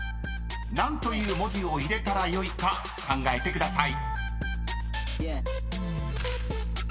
［何という文字を入れたらよいか考えてください］